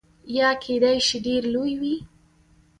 یا کیدای شي ډیر لوی وي.